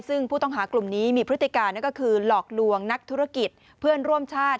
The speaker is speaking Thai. ซึ่งผู้ต้องหากลุ่มนี้มีพฤติการนั่นก็คือหลอกลวงนักธุรกิจเพื่อนร่วมชาติ